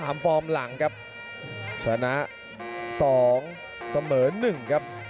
ล้อมหลังครับชนะ๒เสมอ๑ครับ